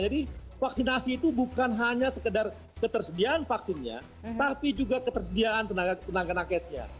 vaksinasi itu bukan hanya sekedar ketersediaan vaksinnya tapi juga ketersediaan tenaga nakesnya